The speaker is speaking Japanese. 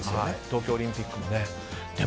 東京オリンピックもね。